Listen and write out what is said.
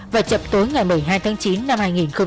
và chập tối ngày một mươi hai tháng chín năm hai nghìn một mươi tám